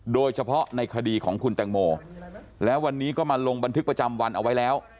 โดยเฉพาะในคดีของคุณแตงโมแล้ววันนี้ก็มาลงบันทึกประจำวันเอาไว้แล้ว